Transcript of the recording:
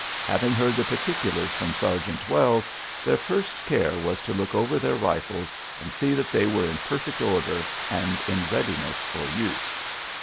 Having heard the particulars from Sergeant Wells, their first care was to look over their rifles and see that they were in perfect order and in readiness for use.